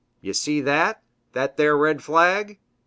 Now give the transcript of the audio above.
"Ye see that? Thet there red flag?